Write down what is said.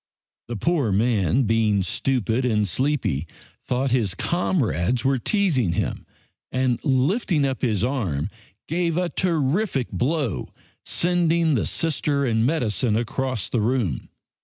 The poor man, being stupid and sleepy, thought his comrades were teasing him, and lifting up his arm gave a terrific blow, sending the Sister and medicine across the room.